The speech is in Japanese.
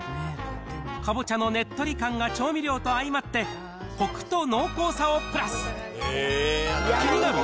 かぼちゃのねっとり感が調味料と相まって、コクと濃厚さをプラス。